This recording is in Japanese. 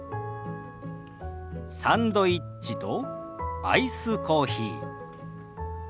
サンドイッチとアイスコーヒー。